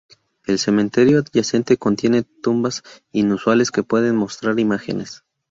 El cementerio adyacente contiene tumbas inusuales que pueden mostrar imágenes.